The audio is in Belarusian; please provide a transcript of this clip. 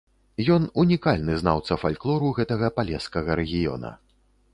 Ён унікальны знаўца фальклору гэтага палескага рэгіёна.